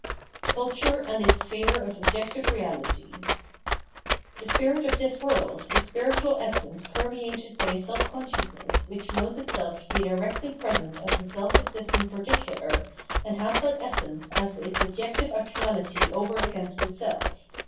493 a Culture and its Sphere op Objective Reality* The spirit of this world is spiritual essence permeated by a self consciousness which loiows itself to be directly present as a self existent particular, and has that essence as its objective actuality over against itself.